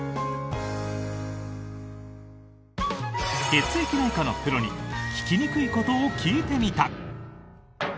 血液内科のプロに聞きにくいことを聞いてみた！